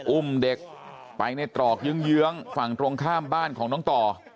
อุ้มเด็กไปในตรอกเยื้องฝั่งตรงข้ามบ้านของน้องต่อ